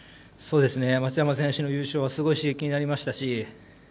松山選手の優勝はすごい刺激になりましたし。